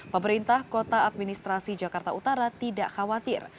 pemerintah kota administrasi jakarta utara tidak khawatir